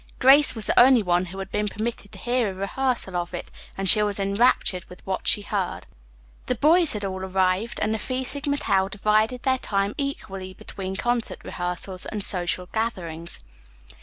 Grace was the only one who had been permitted to hear a rehearsal of it, and she was enraptured with what she heard. The boys had all arrived, and the Phi Sigma Tau divided their time equally between concert rehearsals and social gatherings.